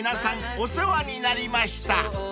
お世話になりました］